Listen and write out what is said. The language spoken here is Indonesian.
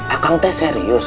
akang teh serius